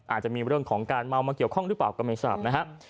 อาจจะมีเรื่องของการเมามาเกี่ยวข้องหรือเปล่าก็ไม่ทราบนะครับ